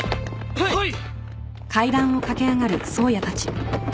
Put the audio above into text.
はい！